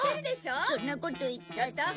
そんなこと言ったって。